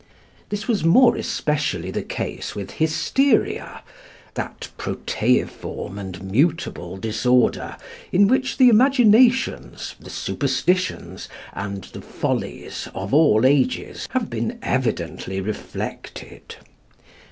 This was more especially the case with hysteria, that proteiform and mutable disorder, in which the imaginations, the superstitions, and the follies of all ages have been evidently reflected.